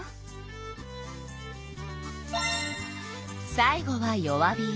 最後は弱火よ。